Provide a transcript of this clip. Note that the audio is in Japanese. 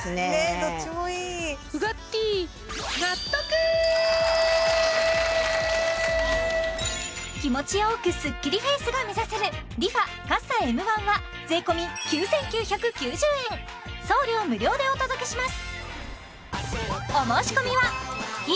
どっちもいい気持ちよくスッキリフェイスが目指せるＲｅＦａＣＡＸＡＭ１は税込９９９０円送料無料でお届けします